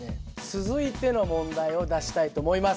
続いての問題を出したいと思います。